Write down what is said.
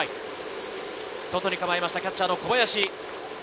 外に構えたキャッチャー・小林。